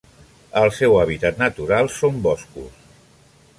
El seu hàbitat natural són boscos.